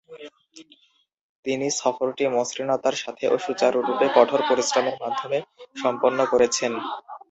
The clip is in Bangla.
তিনি সফরটি মসৃণতার সাথে ও সুচারুরূপে কঠোর পরিশ্রমের মাধ্যমে সম্পন্ন করেছেন।